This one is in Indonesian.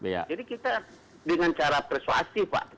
jadi kita dengan cara persuasif pak